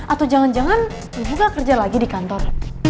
atau jangan jangan ibu nggak kerja lagi di kantor